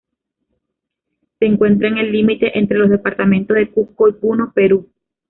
Se encuentra en el límite entre los departamentos de Cusco y Puno, Perú.